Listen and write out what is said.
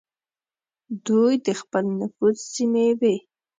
دوی د خپل نفوذ سیمې وې.